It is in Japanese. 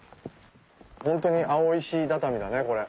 ホントに青石畳だねこれ。